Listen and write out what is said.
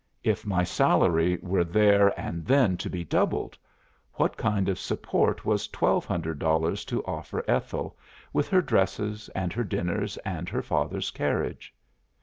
If my salary were there and then to be doubled, what kind of support was twelve hundred dollars to offer Ethel, with her dresses, and her dinners, and her father's carriage?